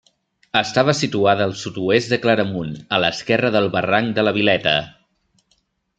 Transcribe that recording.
Estava situada al sud-oest de Claramunt, a l'esquerra del barranc de la Vileta.